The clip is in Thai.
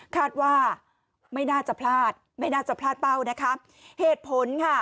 คาดว่าไม่น่าจะพลาดไม่น่าจะพลาดเป้านะคะเหตุผลค่ะ